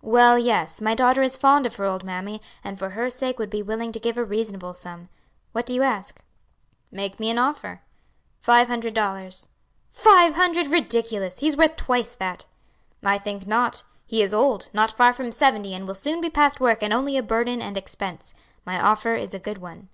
"Well yes; my daughter is fond of her old mammy, and for her sake would be willing to give a reasonable sum. What do you ask?" "Make me an offer." "Five hundred dollars." "Five hundred? ridiculous! he's worth twice that." "I think not, he is old not far from seventy and will soon be past work and only a burden and expense. My offer is a good one."